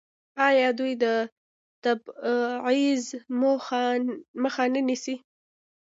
آیا دوی د تبعیض مخه نه نیسي؟